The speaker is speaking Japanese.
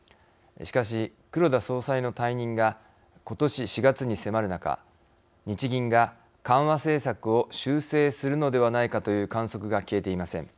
しかし、黒田総裁の退任が今年４月に迫る中、日銀が緩和政策を修正するのではないかという観測が消えていません。